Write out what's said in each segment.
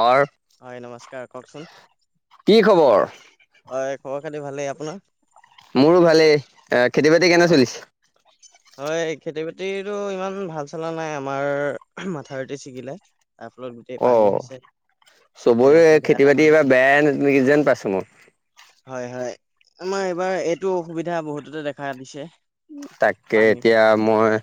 অ'ৰ হয় নমস্কাৰ কওকচোন। কি খবৰ? হয় খবৰ খাতি ভালেই, আপোনাৰ? মোৰো ভালেই। আ, খেতি বাতি কেনে চলিছে? হয়, খেতি বাতিটো ইমান ভাল চলা নাই, আমাৰ মাথাউতি ছিগিলে। তাৰফলত গোটেই অ পানী হৈছে, সেয়ে চবৰে অসুবিধা খেতি এটা বাতি হৈ এইবাৰ আছে। বেয়াই যেন পাইছো মই। হয় হয়, আমাৰ এইবাৰ এইটো অসুবিধা বহুততে দেখা দিছে। তাকে, পানী এতিয়া মই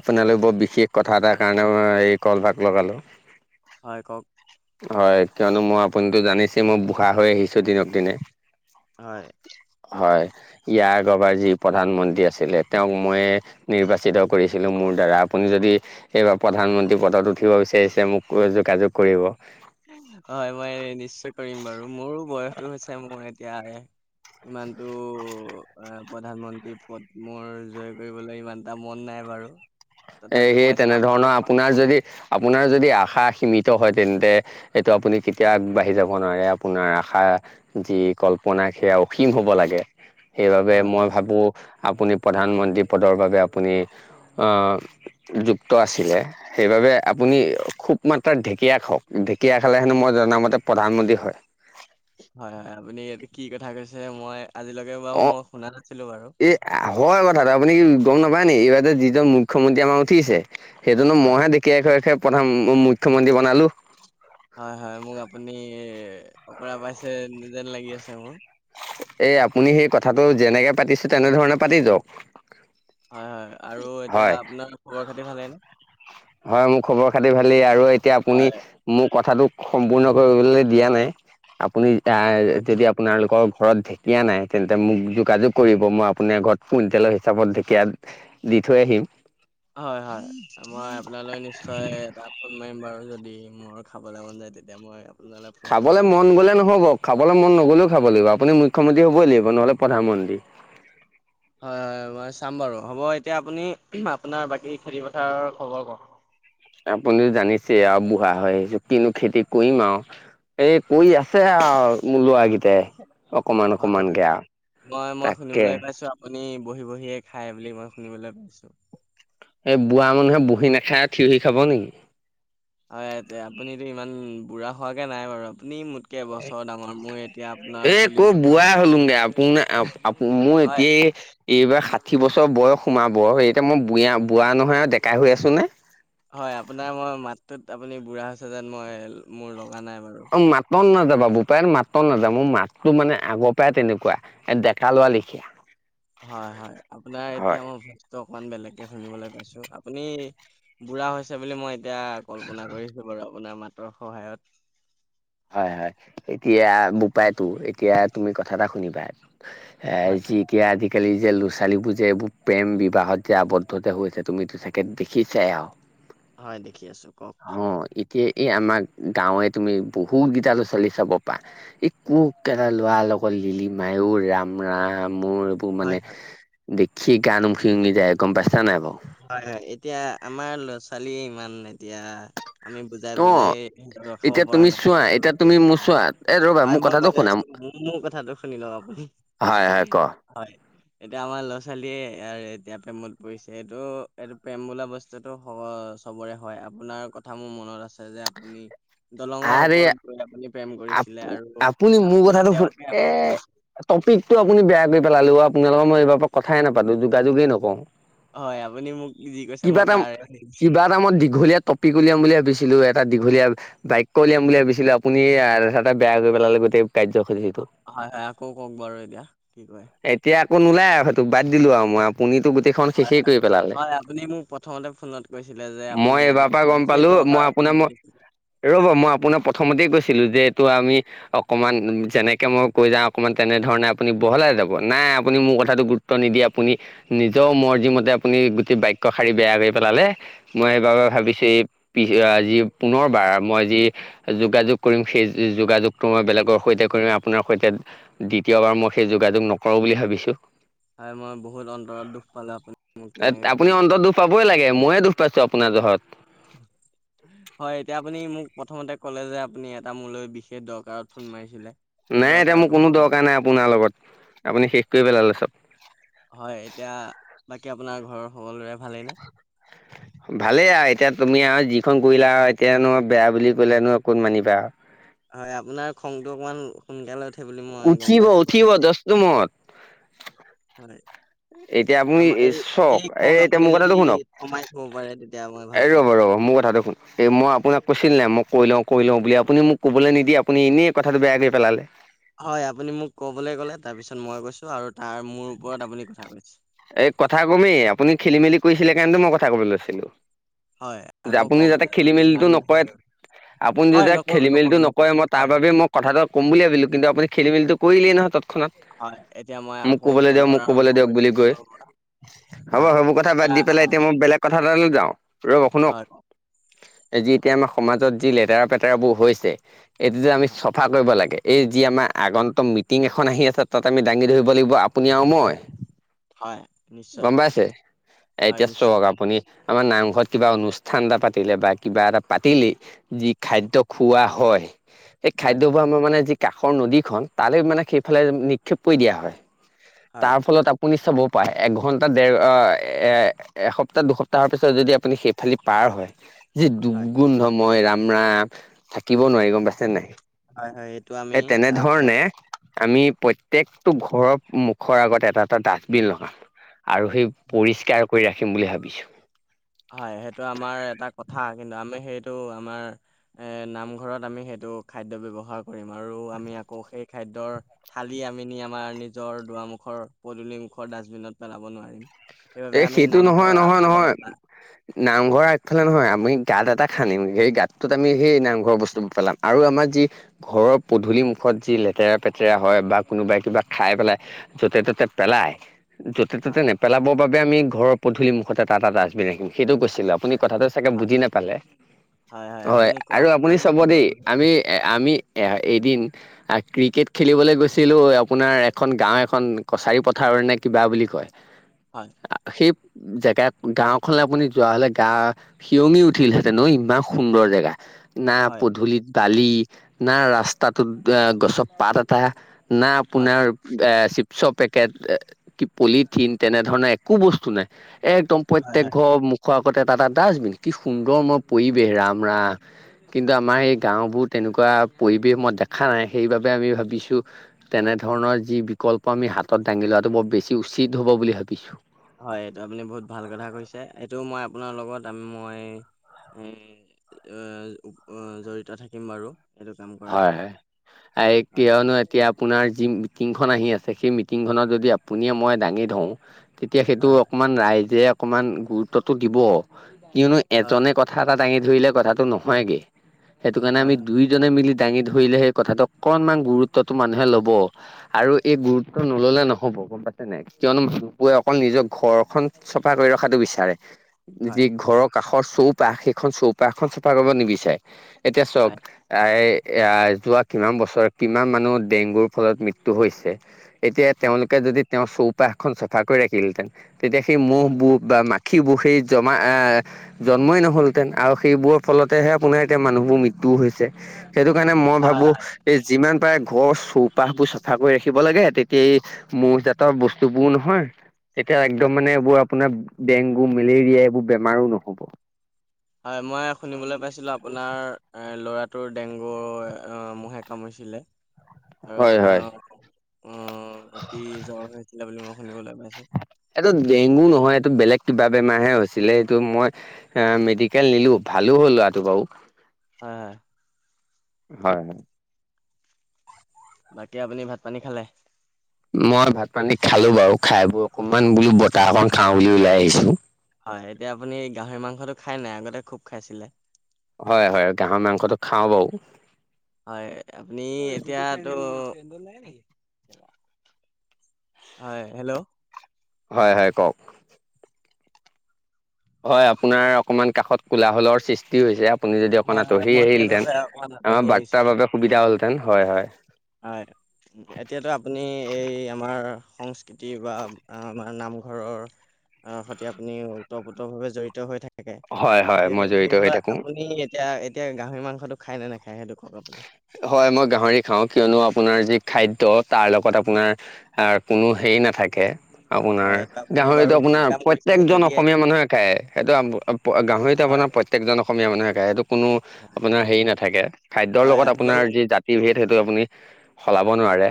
আপোনালৈ বৰ বিশেষ কথা এটাৰ কাৰণে মই এই কলভাগ লগালোঁ। হয় কওক। হয়, কিয়নো মই আপুনিতো জানিছে মই বুঢ়া হৈ আহিছোঁ দিনক দিনে। হয়। হয়, ইয়াৰ আগৰবাৰ যি প্ৰধানমন্ত্ৰী আছিলে তেওঁক ময়ে নিৰ্বাচিত কৰিছিলোঁ মোৰ দ্বাৰা, আপুনি যদি এইবাৰ প্ৰধানমন্ত্ৰী পদত উঠিব বিচাৰিছে মোক যোগাযোগ কৰিব। হয় মই নিশ্চয় কৰিম বাৰু, মোৰো বয়সটো হৈছে, মোৰ এতিয়া ইমানটো অ' প্ৰধানমন্ত্ৰী পদ জয় কৰিবলৈ ইমানটা মন নাই বাৰু। এ, তথাপিও মই চাম বাৰু তেনেদৰণৰ আপোনাৰ যদি আপোনাৰ যদি আশা সীমিত হয় তেন্তে এইটো আপুনি কেতিয়া আগবাঢ়ি যাব নোৱাৰে, আপোনাৰ আশা যি কল্পনা সেয়া অসীম হব লাগে, সেইবাবে হয় মই ভাবোঁ আপুনি প্ৰধানমন্ত্ৰী পদৰ বাবে আপুনি আ, যুক্ত আছিলে। সেইবাবে আপুনি খুব মাত্ৰাত ঢেকীয়া খাওক, ঢেঁকীয়া খালে হেনো মই জনামতে প্ৰধানমন্ত্ৰী হয়। হয় হয়, আপুনি এইটো কি কথা কৈছে, মই আজিলৈকে বাৰু অ মই শুনা নাছিলোঁ বাৰু। এই হয়, কথাটো আপুনি কি গম নাপায় নি এইবাৰ যে যিজন মুখ্যমন্ত্ৰী আমাৰ উঠিছে সেইজনো হয়, মইহে ঢেঁকীয়া খুৱাই খুৱাই প্ৰধান, মুখ্যমন্ত্ৰী বনালো। হয় হয়, মোক আপুনি অকৰা পাইছে যেন লাগি আছে মোৰ। এ, আপুনি সেই কথাটো যেনেকে পাতিছে তেনেধৰণে পাতি যাওক। হয় হয় আৰু এতিয়া হয় আপোনাৰ খবৰ খাতি ভালেই নে? হয় মোৰ খবৰ খাতি ভালেই আৰু এতিয়া আপুনি হয়, মোৰ কথাটোক সম্পূৰ্ণ কৰিবলৈ দিয়া নাই, আপুনি হয়, কৈছে- যদি আপোনালোকৰ ঘৰত ঢেঁকীয়া নাই তেন্তে মোক যোগাযোগ কৰিব, মই আপোনাৰ ঘৰত কুইণ্টেলৰ হিচাপত ঢেকীয়াত দি থৈ আহিম। হয় হয়, মই আপোনালৈ নিশ্চয় এটা ফোন মাৰিম বাৰু যদি মোৰ খাবলৈ মন যায় তেতিয়া মই আপোনালৈ ফোনটো খাবলে মাৰিম। মন গলে নহ'ব খাবলৈ মন নগ'লেও খাব লাগিব, আপুনি মুখ্যমন্ত্ৰী হ'বই লাগিব নহ'লে প্ৰধানমন্ত্ৰী। হয় হয় মই চাম বাৰু, হ'ব এতিয়া আপুনি আপোনাৰ বাকী খেতি পথাৰৰ খবৰ কক। আপুনি জানিছে আৰু বুঢ়া হৈ আহিছোঁ কিনো খেতি কৰিম আৰু। এই কৰি আছে মোৰ ল'ৰাকেইটাই। অকমান হয় হয়, অকমানকে আৰু মই মই তাকে শুনিবলৈ পাইছোঁ আপুনি বহি বহিয়ে খাই বুলি মই শুনিবলৈ পাইছোঁ। এই বুঢা মানুহে বহি নাখায় থিয়হি খাব নেকি? হয় এতিয়া আপুনিতো ইমান বুঢ়া হোৱাগে নাই বাৰু, আপুনি মোত এ চল্লিশ ক'ত বছৰ বুঢ়া হৈছে হলোগে আপোন ন আপ মোৰ হয় এতি এইবাৰ ষাঠি বছৰ বয়স সোমাব, এতিয়া মই বুঞা বুঢ়া নহয় আৰু ডেকা হৈ আছোঁনে। হয় আপোনাৰ মই মাতটোত আপুনি বুঢ়া হৈছে যেন মই মোৰ লগা নাই বাৰু। অ মাতত নাযাবা বোপাই মাতত নাযা মোৰ মাততো মানে আগৰ পৰাই তেনেকুৱা এ ডেকা লোৱা লিখি [inaudible] হয়, হয়, আপোনাৰ এতিয়া মই বস্তুটো অকমান বেলেগকে শুনিবলৈ পাইছো, আপুনি বুঢ়া হৈছে বুলি মই এতিয়া কল্পনা কৰিছো বাৰু আপোনাৰ মাতৰ সহায়ত। হয়, হয়, এতিয়া বোপাইতো এতিয়া তুমি কথা এটা শুনিবা [inaudible] হয় এতিয়া আজিকালি যে ল'ৰা-ছোৱালীবোৰ যে এইবোৰ প্ৰেম বিবাহত যে আৱদ্ধত হৈছে তুমিতো চাগে দেখি চাই। হয় দেখি আছো কওক হ এতিয়া এই আমাক গাঁৱে তুমি বহুত গেইটা চলি চাব পা একো কেলা লৰা লগত লিলি মায় ও ৰাম-ৰাম মোৰ হয় মানে হয় দেখি গান উমখি উঙি যায় গম পাইচা নাই বাৰু। হয়, হয়, এতিয়া আমাৰ ল'ৰা-ছোৱালীয়ে ইমান এতিয়া আমি অ বুজাই-বুজাই ৰখাব এতিয়া পৰা তুমি নাই চোৱা তেওঁলোকে তুমি মোৰ এতিয়া, চোৱা এ ৰ'বা মোৰ হয় মই কথাটো গৈ শুনা আছো। মোৰ-মোৰ কথাটো শুনি লওঁ আপুনি হয় হয় ক হয়। এতিয়া আমাৰ ল'ৰা-ছোৱালীয়ে আৰ এতিয়া প্ৰেমত পৰিছে। এইটো-এইটো প্ৰেম বোলা বস্তুটো স চবৰে হয় আপোনাৰ কথা মোৰ মনত আছে যে পুনি দলঙৰ আৰে ওপৰত গৈ আপুনি প্ৰেম আপ কৰিছিলে আৰু আপুনি তেওঁকে আপুনি নি টপিকতো আপুনি বেয়া কৰি পেলালে অ, আপোনালোকৰ মই এইবাৰৰ পৰা কথাই নাপাতো যোগাযোগেই নকৰোঁ। হয় আপুনি মোক যি কৈছে মই তাৰে কিবা এটা মই দীঘলীয়া টপিক উলিয়াম বুলি ভাবিছিলো এটা দীঘলীয়া বাইক কলিয়াম বুলি ভাবিছিলো আপুনি তাতে বেয়া কৰি পেলালে গোটেই। হয়, কাৰ্যসূচীটো হয়, আকৌ কওক বাৰু এতিয়া, কি কয়। এতিয়া আকৌ নোলাই আৰু সেইটো বাদ দিলো আৰু মই আপুনিতো গোটেইখন হয়, শেষেই হয়, কৰি পেলালে হয় আপুনি মোক প্ৰথমতে ফোনত কৈছিলে যে আপুনি মই এটা এইবাৰ পৰা গম বিশেষ পালো মই দৰকাৰত [inaudible] আপোনাৰ মই ৰ'ব মই আপোনাক প্ৰথমতেই কৈছিলোঁ যে এইটো আমি অকণমান যেনেকে মই কৈ যাওঁ অকিমান তেনে ধৰণে আপুনি বহলাই যাব, নাই আপুনি মোৰ কথাটো ত নিদি আপুনি নিজৰ মৰ্জিমতে আপুনি গোটেই বাক্য শাৰী বেয়া কৰি পেলালে। মই সেইবাবে ভাবিছো এই পি আজি পুনৰবাৰ মই যি যোগাযোগ কৰিম সেই যোগাযোগটো মই বেলেগৰ সৈতে কৰিম আপোনাৰ সৈতে দ্বিতীয়বাৰ মই সেই যোগাযোগ নকৰো বুলি ভাবিছো। হয় মই বহুত অন্তৰত দুখ পালো আপুনি মোক এ তেনেকে কৰি আপুনি দিলে। অন্তৰত দুখ পাবই হয় লাগে, মইয়ে দুখ পাইছো আপোনাৰ জহত [inaudible] হয়, এতিয়া আপুনি মোক প্ৰথমতে ক'লে, যে আপুনি এটা মোৰলৈ বিশেষ দৰকাৰত ফোন মাৰিছিলে। সেই নাই, এতিয়া মোৰ দৰকাৰটো কোনো কওক আপুনি। দৰকাৰ নাই আপোনাৰ লগত, আপুনি শেষ কৰি পেলালে চব। হয়, এতিয়া বাকী আপোনাৰ ঘৰৰ সকলোৰে ভালেইনে? ভালেই আৰু এতিয়া তুমি আৰু যিখন কৰিলা আৰু এতিয়নো বেয়া বুলি কলেনো অকণ মানিবা। হয়, আপোনাৰ খংটো অকণমান সোনকালে উঠে বুলি মই গম উঠিব পাইছো বাৰু উঠিব এতিয়া। দছটো মত হয়। এতিয়া আপুনি আমাৰ এই, চক এই খং এতিয়া আপুনি মোৰ যদি কথাটো শুনক। কমাই থব পাৰে তেতিয়া মই ভাল এই পাম। ৰ'ব, ৰব মোৰ কথাটো শুন এই মই আপোনাক কৈছিল নাই? মই কৈ লওঁ কৈ লওঁ বুলি, আপুনি মোক ক'বলৈ নিদিয়ে আপুনি এনেই কথাটো বেয়াকৈ পেলালে। হয়, আপুনি মোক কবলৈ কলে তাৰপিছত মই কৈছো আৰু তাৰ মোৰ ওপৰত কথা কৈছে। এই কথা ক'মেই, আপুনি খেলি মেলি কৰিছিলে, সেই কনে মই কথা কব লৈছিলো। হয় যে আকৌ আপুনি কওক যাতে এতিয়া খেলি যদি ইমান মেলিটো নকৰে হেৰি আপুনি হয়, যদি নকৰোঁ, খেলি মেলিটো নকৰোঁ, নকৰোঁ। নকৰে মই তাৰ হয়, বাবে মোক কথাটো কম বুলি ভাবিলোঁ। কিন্তু আপুনি, খেলিে মেলিটো কৰিলেই নহয়, তৎক্ষণাত। হয়। এতিয়া মই মোক আকৌ ক'বলৈ দিয়ক পুনৰ মোক ক'বলৈ আৰম্ভ দিয়ক বুলি কৰিছোঁ কৈ। পৰা হ'ব, হয়, সেইবোৰ কথা এতিয়া বাদ দি পেলাই হয়, এতিয়া, মই বেলেগ কথা এটালে যাওঁ। ৰ'ব হয়, শুনক জি এতিয়া আমাৰ সমাজত যি লেতেৰা- পেতেৰাবোৰ হৈছে, এইটো যে আমি হয়, চফা কৰিব লাগে। এই যি আমাৰ আগন্তুক মিটিং এখন আহি আছে। তাত আমি দাঙি ধৰিব লাগিব আপুনি আৰু মই- হয়। নিশ্চয়, গম পাইছে, এ হয়, এতিয়া নিশ্চয়, চওঁক আপুনি আমাৰ নামঘৰত কিবা অনুষ্ঠান এটা পাতিলে বা কিবা এটা পাতিলেই যি খাদ্য খোওৱোৱা হয় সেই হয়, খাদ্যবোৰ আমাৰ মানে যি কাষৰ নদীখন, তালে মানে সেইফালে নিক্ষেপ কৰি দিয়া হয়। হয়, তাৰ ফলত আপুনি চাব পাৰে, এঘন্টা দেৰ এ এসপ্তাহ, দুসপ্তাহৰ পিছত যদি আপুনি সেইফালে পাৰ হয় যি হয়, দুৰ্গোন্ধ, মই ৰাম, ৰাম থাকিব নোৱাৰি গম পাইছে নাই। হয়, হয় এইটো আমি এই তাত তেনেধৰণে আমি প্ৰত্যেকটো ঘৰৰ মুখৰ আগত এটা, এটা ডাষ্টবিন লগাম। আৰু সেই, পৰিষ্কাৰ কৰি ৰাখিম বুলি ভাবিছোঁ। হয়, সেইটো আমাৰ এটা কথা। কিন্তু আমি, সেইটো আমাৰ নামঘৰত আমি সেইটো খাদ্য ব্যৱহাৰ কৰিম, আৰু আমি আকৌ সেই খাদ্যৰ থালি আনি, আমাৰ নিজৰ দুৱামুখৰ পদূলি- মুখৰ ডাষ্টবিনত পেলাব নোৱাৰিম। এ সেইবাবে আমি নামঘৰৰ আগফালে এটা নামঘৰৰ আগফালে নহয়, আমি গাঁত এটা খান্দিম। সেই গাঁতটোত আমি সেই নামঘৰৰ বস্তুবোৰ পেলাম, আৰু আমাৰ যি ঘৰৰ পধূলি মুখত যি লেতেৰা-পেতেৰা হয়, বা কোনোবাই কিবা খাই পেলাই য'তে, ততে, পেলাই য'তে-ত'তে হয়, নেপেলাবৰ বাবে, আমি ঘৰৰ পদূলি মুখতে এটা- এটা ডাষ্টবিন ৰাখিম। সেইটো কৈছিলোঁ, আপুনি হয়, কথাটো চাগে হয়। বুজি নাপালে। হয়, আপুনি কোৱা আৰু আপুনি অকমান চাব দেই, গণ্ডগোল হ'ল। আমি আমি এ এদিন- আৰু ক্ৰিকেট খেলিবলৈ গৈছিলো আপোনাৰ এখন গাঁও এখন কছাৰী পথাৰ নে কিবা বুলি কয় হয়। সেই জেগাত গাওঁ খনে, আপুনি যোৱা হ'লে, গা শিয়ঙি উঠিলহেঁতেন। ইমান সুন্দৰ জেগা। না, হয়, পধূলিত বালি, না, ৰাস্তাটোত, গছৰ পাত এটা। না, হয়, আপোনাৰ এ চিপছৰ পেকেট, কি পলিথিন, তেনে ধৰণে একো বস্তু নাই। এ-একদম, হয়, প্ৰত্যেক হয়, ঘৰ খোৱাৰ আগত এটা- এটা ডাষ্টবিন। কি সুন্দৰ মই পৰিৱেশ ৰাম ৰাম। কিন্তু, আমাৰ এই গাঁওবোৰ তেনেকুৱা পৰিৱেশ মই দেখা নাই। সেইবাবে আমি ভাবিছোঁ তেনে ধৰণৰ যি বিকপ্ল, আমি হাতত দাঙি লোৱাটো বেছি উচিত হ'ব বুলি ভাবিছোঁ। হয়, এইটো আপুনি বহুত ভাল কথা কৈছে, এইটো মই আপোনাৰ লগত মই উম উম, জড়িত থাকিম বাৰু। এইটো কাম কৰাত। হয় হয়, এই হয়, কিয়নো এতিয়া পুনৰ যি মিটিং খন আহি আছে, সেই মিটিং খনত আপুনি মইয়ে দাঙি ধৰোঁ তেতিয়া সেইটো হয়, অকমান ৰাইজে অকমান গুৰুত্বটো দিব, কিয়নো হয়, এজনে কথা এটা দাঙি ধৰিলে, কথাটো নহয়গে সেইটো কাৰণে হয়, আমি দুইজনে মিলি দাঙি ধৰিলেহে সেই, কথাটো অকনমান গুৰুত্বটো মানুহে ল'ব। আৰু এই গুৰুত্ব নল'লে নহ'ব গম পাইছে নে নাই। কিয়নো মানুহবোৰে অকল নিজৰ ঘৰখন চফা কৰি ৰখাটো বিচাৰে। হয়, হয়, যদি ঘৰৰ কাষৰ চৌপাশ, সেইখন চৌপাশখন চাফা কৰিব নিবিচাৰে এতিয়া চওক হয়, এতিয়া, যোৱা কিমান বছৰত কিমান মানুহ ডেংগুৰ ফলত মৃত্যু হৈছে এতিয়া হয়, তেওঁলোকে যদি, তেওঁৰ চৌপাশ খন চাফা কৰি ৰাখিলেহেঁতেন, তেতিয়া সেই মহ, হয়। বু বা মানুহ জমা আহ [unintelligible] জন্মই নহ'লহেঁতেন, আৰু সেইবোৰৰ ফলতেহে আপোনাৰ এতিয়া মানুহবোৰ মৃত্যু হৈছে। সেইটো কাৰণে মই হয়, ভাবো এই যিমান পাৰে ঘৰৰ চৌপাশবোৰ চাফা কৰি ৰাখিব লাগে, তেতিয়া মৌ জাতৰ বস্তুবোৰ নহয়। তেতিয়া হয় একদম মানে এইবোৰ আপোনাৰ ডেংগু, মেলেৰিয়া, এইবোৰ বেমাৰো নহ'ব। হয়, মই শুনিবলৈ পাইছিলোঁ, আপোনাৰ ল'ৰাটোৰ ডেংগু মহে কামোৰিছিলে। [inaudible] আৰু হয়। তেওঁ আহ, অতি জ্বৰ হৈছিলে বুলি মই শুনিবলৈ পাইছো। এইটো ডেংগু নহয়, এইটো বেলেগ কিবা বেমাৰ হে হৈছিলে এইটো মই এ মেডিকেল নিলো, ভালো হ'ল লৰাটো বাৰু। হয়, হয়। হয়, হয়। বাকী আপুনি ভাত পানী খালে? মই ভাত পানী খালো বাৰু, খাই বৈ অকনমান বোলো বতাহ অকন খাও বুলি ওলাই আহিছো। হয়, এতিয়া আপুনি গাহৰি মাংসটো খাই নে নাই? আগতে খুব খাইছিলে। হয়, হয়, গাহৰি মাংসটো খাও বাৰু। হয়, আপুনি এতিয়াটো হয়, হেল্ল'? হয়, হয়, কওক। হয়, আপোনাৰ অকণমান কাষত কোলাাহলৰ সৃষ্টি হৈছে, আপুনি যদি অকণ হয়, আঁতৰি মই আহিলহেতেন সেইবাবে অকমান আঁতহি আমাৰ আহিছোঁ। বাৰ্তাৰ বাবে সুবিধা হ'লহঁতেন হয়, হয়। হয়। এতিয়াতো আপুনি এই আমাৰ সংস্কৃতি বা আমাৰ নামঘৰৰ আহ সৈতে আপুনি উত্তৰ পতৰ ভাৱে জড়িত হৈ থাকে, হয় হয় সেই মই জড়িত হৈ সেইফালে থাকো। আপুনি এতিয়া এতিয়া গাহৰি মাংসটো খাই নে নেখায় সেইতো কওক আপুনি? হয়, মই গাহৰি খাওঁ কিয়নো আপোনাৰ যি, খাদ্য তাৰ লগত আপোনাৰ কোনো হেৰি নাথাকে। আপোনাৰ হয়, এইটো আপুনি বাৰু গাহৰিটো ভুল আপোনাৰ কাম কৰিছে প্ৰত্যেকজন যদি হয়, অসমীয়া মানুহে খায়, সেইটো গাহৰিটো হয়, আপোনাৰ প্ৰত্যেকজন অসমীয়া মানুহে খাই, সেইটো কোনো আপোনাৰ হেৰি নাথাকে খাদ্যৰ হয়, লগত আপোনাৰ হ'লেও যি জাতি ভেদ, সেইটো আপুনি সলাব নোৱাৰে।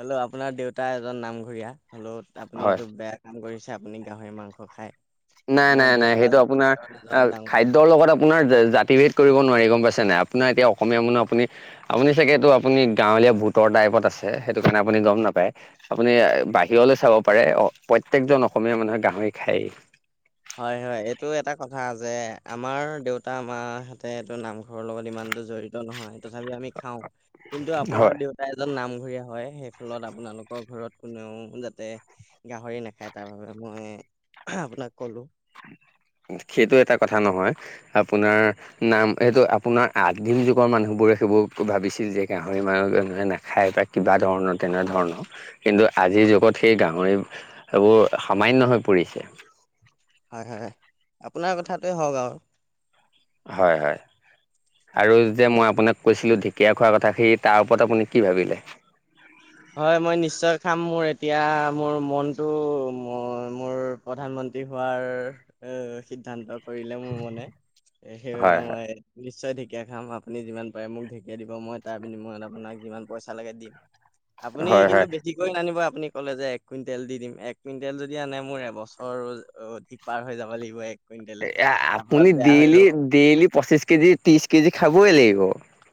হলেও আপোনাৰ দেউতা এজন নামঘৰীয়া, হলো আপুনি হয় এইটো বেয়া কাম কৰিছে আপুনি গাহৰি মাংস খাই। নাই নাই নাই, সেইটো আপোনাৰ এজন ডাঙৰ খাদ্য ৰ লগত আপোনাৰ জাতি ভেদ কৰিব নোৱাৰি গম পাইছে নে নাই, আপোনাৰ এতিয়া অসমীয়া মানুহ আপুনি আপুনি চাগেটো আপুনি গাঁৱলীয়া ভোটৰ টাইপত আছে, সেইটো কাৰণে আপুনি গম নাপায়। আপুনি বাহিৰলৈ চাব পাৰে অ', প্ৰতয়েকজন অসমীয়া মানুহে গাহৰি খায়েই। হয়, হয়, এইটো এটা কথা যে, আমাৰ দেউতা মাহঁতেটো নামঘৰৰ লগত ইমানতো জড়িত নহয় তথাপি আমি খাওঁ, কিন্তু আপোনাৰ হয় দেউ তা এজন নামঘৰীয়া হয়, সেই ফলত আপোনালোকৰ ঘৰত কোনেও যাতে গাহৰি নাখায় তাৰ বাবোবে মই আপোনাক ক'লো। সেইটো এটা কথা নহয়, আপোনাৰ নাম এইটো আপোনাৰ আদিম যুগৰ মানুহ বোৰে সেইবোৰ ভাবিছিল যে, গাহৰি মানুহ মানুহে নাখায় পায়। কিবা ধৰণৰ তেনে ধৰণৰ। কিন্তু আজিৰ যুগত সেই গাহৰি এইবোৰ সামান্য় হৈ পৰিছে। হয়, হয়, আপোনাৰ কথাটোৱে হওক আৰু। হয়, হয়, আৰু যেতিয়া মই আপোনাক কৈছিলো। ধেকিয়া খোৱাৰ কথা সেই তাৰ ওপৰত আপুনি কি ভাবিলে? হয়, মই নিশ্চয় খাম, মোৰ এতিয়া মোৰ মনটো মোৰ প্ৰধানমন্ত্ৰী হোৱাৰ এ সিদ্ধান্তক কৰিলে মোৰ মনে হয় সেইবাবে হয় মই নিশ্চয় ঢেকীয়া খাম, আপুনি যিমান পাৰে মোক ঢেকীয়া দিব মই তাৰ বিনিময়ত আপোনাক যিমান পইচা লাগে দিম। আপুনি হয় কিন্তু হয় বেটি [unintelligible] নানিব আপুনি ক'লে যে, এক কুইণ্টেল দি দিম, এক কুইণ্টেল যদি আনে মোৰ এবছৰ পাৰ হৈ যাব লাগিব। এক কুইণ্টেলে এ তাৰ আপুনি ফলত বেয়া হৈ ডেইলি, যাব ডেইলি পঁচিশ কেজি, ত্ৰিশ কেজি খাবই লাগিব।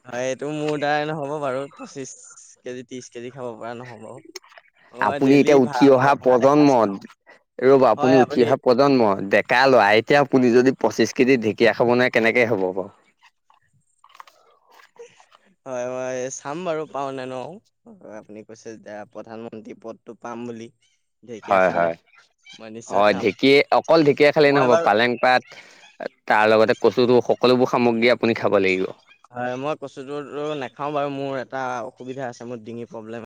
হয় এইটো মোৰ দ্বাৰাই নহ'ব বাৰু, পঁচিশ কেজি, ত্ৰিশ কেজি খাব পৰা নহব। মই আপুনি ডেইলি এতিয়া ভা উঠি অহা মই ভাত প্ৰজন্ম, এসাঁজ খাওঁ ৰ'ব আপুনি উঠি অহা প্ৰজ জন্ম ডেকা লৰা, এতিয়া আপুনি যদি পঁচিশ কেজি ঢেকীয়া খাব নোৱাৰে কেনেকে হ'ব বাৰু। হয়, হয়, চাম বাৰু পাৰোঁ নে নোৱাৰোঁ। আপুনি কৈছে যেতিয়া, প্ৰধানমন্ত্ৰী পদটো পাম বুলি। ঢেকীয়া হয়, খালে হয়, মই নিশ্চয় হয়, খাম ঢেঁকী অকল ঢেঁকীয়া খালে মই নহ'ব, বাৰু পালেং পাত তাৰ লগতে কচুটো সকলোবোৰ সামগ্ৰী আপুনি খাব লাগিব। হয়, মই কচুতো নাখাও বাৰু মোৰ এটা অসুবিধা আছে, মোৰ ডিঙি প্ৰব্লেম